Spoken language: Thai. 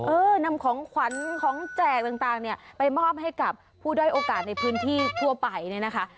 นำของขวัญของแจกต่างเนี่ยไปมอบให้กับผู้ด้อยโอกาสในพื้นที่ทั่วไปเนี่ยนะคะ